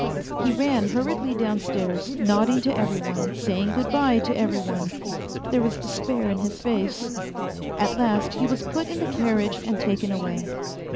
He ran hurriedly downstairs, nodding to every one, saying good bye to every one. There was despair in his face. At last he was put in the carriage and taken away.